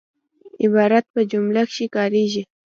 عبارت په جمله کښي کاریږي.